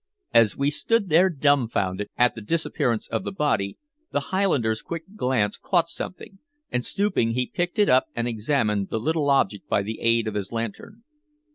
As we stood there dumbfounded at the disappearance of the body, the Highlander's quick glance caught something, and stooping he picked it up and examined the little object by the aid of his lantern.